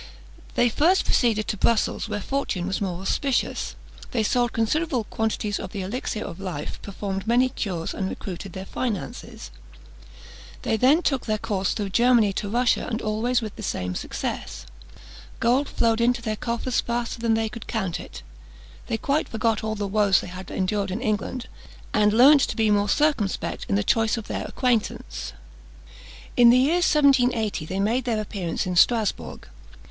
They first proceeded to Brussels, where fortune was more auspicious. They sold considerable quantities of the elixir of life, performed many cures, and recruited their finances. They then took their course through Germany to Russia, and always with the same success. Gold flowed into their coffers faster than they could count it. They quite forgot all the woes they had endured in England, and learned to be more circumspect in the choice of their acquaintance. In the year 1780, they made their appearance in Strasbourg.